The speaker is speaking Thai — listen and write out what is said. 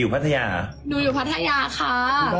หนูก็ตามจากพี่เก่งไง